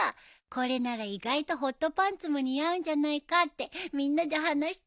これなら意外とホットパンツも似合うんじゃないかってみんなで話したんだよ。